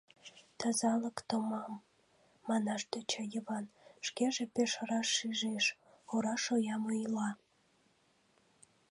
— Тазалык томам, — манаш тӧча Йыван, шкеже пеш раш шижеш: ора шоям ойла.